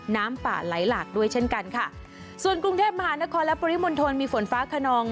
น้ำป่าไหลหลากด้วยเช่นกันค่ะส่วนกรุงเทพมหานครและปริมณฑลมีฝนฟ้าขนอง